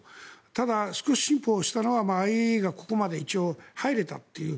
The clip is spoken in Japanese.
ただ、少し進歩したのはＩＡＥＡがここまで一応入れたという。